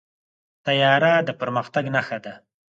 طیاره د پرمختګ نښه ده.